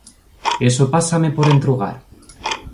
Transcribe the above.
Eso pásame por entrugar.